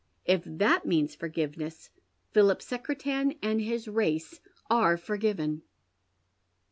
If that means forgiveness, Philip Secretan and his race are forgiven."